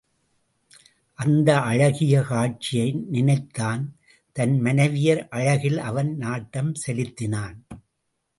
அந்த அழகிய காட்சியை நினைத்தான் தன் மனைவியர் அழகில் அவன் நாட்டம் செலுத்தினான்.